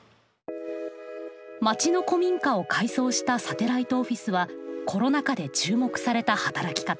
町の古民家を改装したサテライトオフィスはコロナ下で注目された働き方。